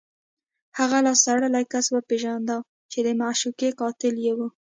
هغه لاس تړلی کس وپېژنده چې د معشوقې قاتل یې و